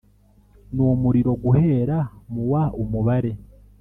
N umuriro guhera mu wa umubare